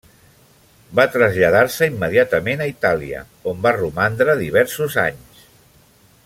Va traslladar-se immediatament a Itàlia, on va romandre diversos anys.